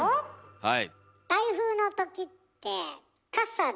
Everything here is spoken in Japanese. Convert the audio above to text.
はい。